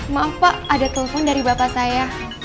maaf pak ada telepon dari bapak saya